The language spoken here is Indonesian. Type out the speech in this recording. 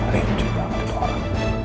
rincu banget orang